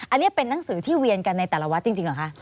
อันนี้เป็นนังสือที่เวียนกันในแต่ละวัดจริงเหรอคะ